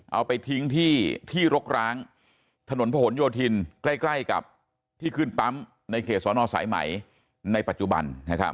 เอาไปทิ้งที่รกร้างถนนผนโยธินใกล้กับที่ขึ้นปั๊มในเขตสอนอสายไหมในปัจจุบัน